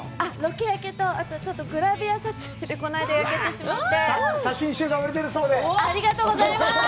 ロケと、ちょっとグラビア撮影でこの間焼けてしまって。